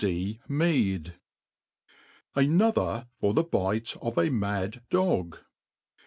D. Mead. Amther for the Bite of a Mad Dog.